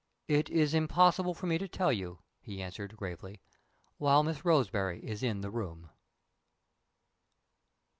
"It is impossible for me to tell you," he answered, gravely, "while Miss Roseberry is in the room."